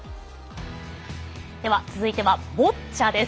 では続いてはボッチャです。